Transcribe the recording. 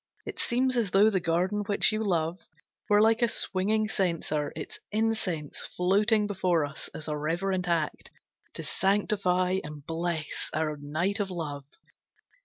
It seems as though the garden which you love Were like a swinging censer, its incense Floating before us as a reverent act To sanctify and bless our night of love.